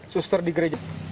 suster di gereja